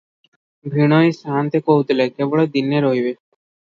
ଭିଣୋଇ ସାଆନ୍ତେ କହୁଥିଲେ, କେବଳ ଦିନେ ରହିବେ ।